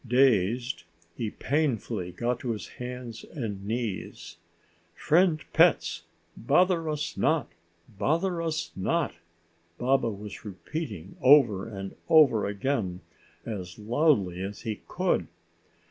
Dazed, he painfully got to his hands and knees. "Friend pets, bother us not. Bother us not!" Baba was repeating over and over again as loudly as he could.